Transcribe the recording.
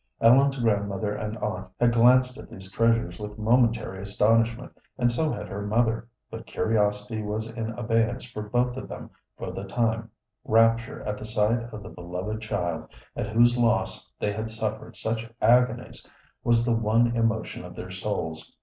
Ellen's grandmother and aunt had glanced at these treasures with momentary astonishment, and so had her mother, but curiosity was in abeyance for both of them for the time; rapture at the sight of the beloved child at whose loss they had suffered such agonies was the one emotion of their souls.